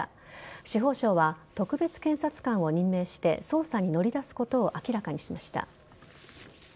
司法省は特別検察官を任命して捜査に乗り出すことを明らかにしました。